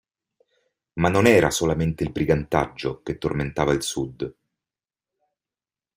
Ma non era solamente il brigantaggio che tormentava il Sud.